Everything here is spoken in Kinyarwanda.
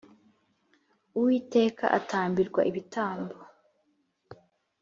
uwiteka atambirwa ibitambo .